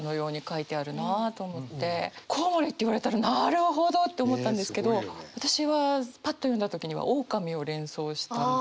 「コウモリ」って言われたらなるほどって思ったんですけど私はパッと読んだ時にはオオカミを連想したんですね。